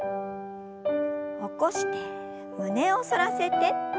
起こして胸を反らせて。